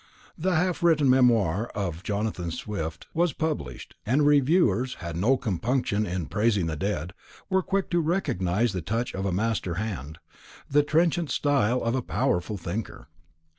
The half written memoir of Jonathan Swift was published; and reviewers, who had no compunction in praising the dead, were quick to recognize the touch of a master hand, the trenchant style of a powerful thinker.